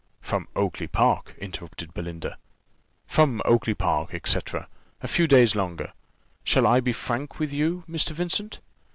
"From Oakly park," interrupted Belinda. "From Oakly park, &c. a few days longer. Shall I be frank with you, Mr. Vincent?